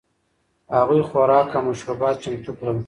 هغوی خوراک او مشروبات چمتو کړل.